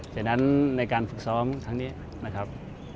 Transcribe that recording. ฉะนั้นในการฝึกซ้อมครั้งนี้นะครับ